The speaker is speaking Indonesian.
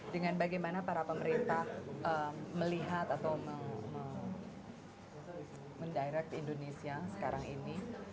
dengan bagaimana para pemerintah melihat atau mendirect indonesia sekarang ini